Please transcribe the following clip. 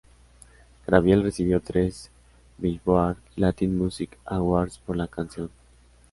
Gabriel recibió tres Billboard Latin Music Awards por la canción.